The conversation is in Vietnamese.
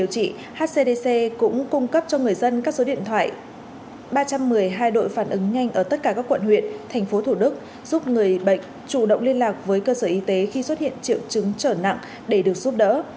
các cdc cũng cung cấp cho người dân các số điện thoại ba trăm một mươi hai đội phản ứng nhanh ở tất cả các quận huyện thành phố thủ đức giúp người bệnh chủ động liên lạc với cơ sở y tế khi xuất hiện triệu chứng trở nặng để được giúp đỡ